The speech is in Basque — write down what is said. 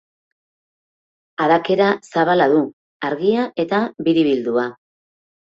Adakera zabala du, argia eta biribildua.